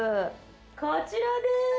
こちらでーす。